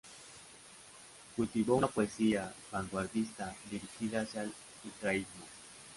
Cultivó una poesía vanguardista, dirigida hacia el ultraísmo.